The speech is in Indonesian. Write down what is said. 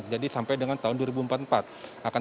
jadi sampai dengan tahun dua ribu empat puluh empat